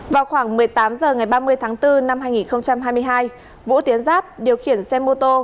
vào khoảng một mươi tám h ngày ba mươi tháng bốn năm hai nghìn hai mươi hai vũ tiến giáp điều khiển xe mô tô